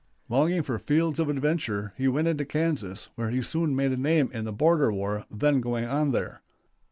Longing for fields of adventure he went into Kansas, where he soon made a name in the border war then going on there.